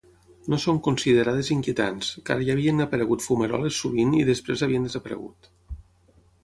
No són considerades inquietants, car ja havien aparegut fumeroles sovint i després havien desaparegut.